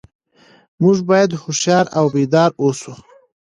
موږ باید هوښیار او بیدار اوسو.